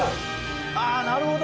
ああなるほど。